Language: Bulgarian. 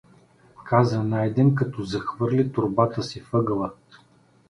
— каза Найден, като захвърли торбата си в ъгъла.